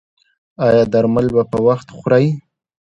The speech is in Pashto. ایا درمل به په وخت خورئ؟